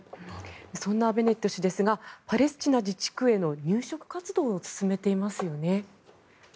そんなベネット氏ですがパレスチナ自治区への入植活動を進めていますよね。